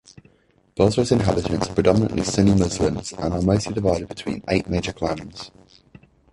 Bosra's inhabitants are predominantly Sunni Muslims and are mostly divided between eight major clans.